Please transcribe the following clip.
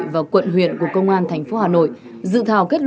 và quận huyện của công an tp hà nội dự thảo kết luận kiểm tra hôm nay chỉ rõ